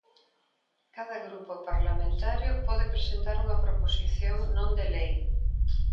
Cada grupo parlamentario pode presentar unha proposición non de lei.